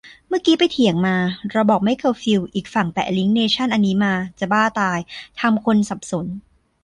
เมื่อกี้ไปเถียงมา เราบอกไม่เคอร์ฟิว อีกฝั่งแปะลิงก์เนชั่นอันนี้มา จะบ้าตาย ทำคนสับสน